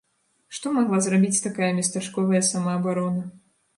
Што магла зрабіць такая местачковая самаабарона?